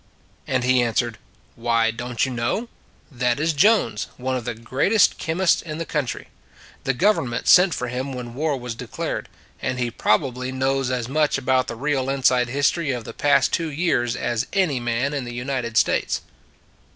And he answered: "Why, don t you know? That is Jones, one of the greatest chemists in this country. The Govern ment sent for him when war was declared, and he probably knows as much about the real inside history of the past two years as any man in the United States."